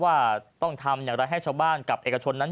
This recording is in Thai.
ว่าต้องทำอย่างไรให้ชาวบ้านกับเอกชนนั้น